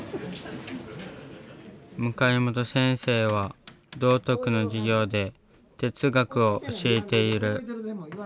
向本先生は道徳の授業で哲学を教えている。